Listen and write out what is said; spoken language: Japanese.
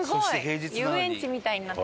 遊園地みたいになってる。